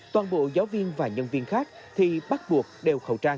toàn bộ giáo viên và nhân viên khác thì bắt buộc đeo khẩu trang